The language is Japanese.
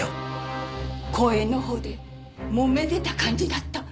公園のほうでもめてた感じだった。